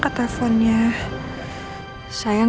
contohnya sosokin yang nyuruh nyuruh